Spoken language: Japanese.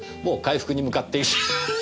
もう回復に向かって。